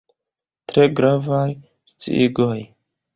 Tre gravaj sciigoj.